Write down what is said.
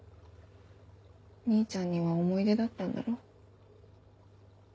兄ちゃんには思い出だったんだろ。